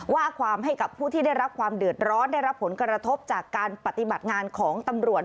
ว่าความให้กับผู้ที่ได้รับความเดือดร้อนได้รับผลกระทบจากการปฏิบัติงานของตำรวจ